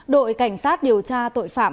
đội cảnh sát điều tra tội phạm